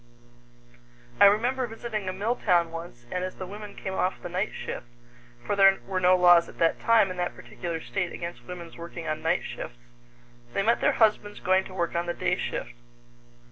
I remember visiting a mill town once, and as the women came off the night shift for there were no laws at that time in that particular state against women's working on night shifts they met their husbands going to work on the day shift.